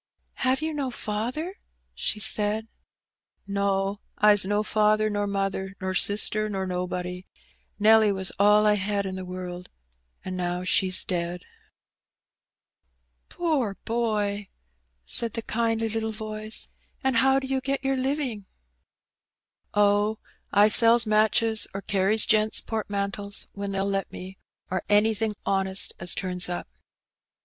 "Have you no father?" she said. "No: Fs no father, nor mother, nor sister, nor nobody. ITelly was all I had in the world, an' now she's dead." 138 Hee Benny. " Poor boy !'^ said the kindly little voice. ^* And how do you get your living ?" Oh, I sells matches or carries gents* portmantles when they^U let me, or anything honest as turns up.'